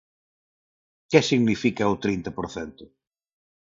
¿Que significa o trinta por cento?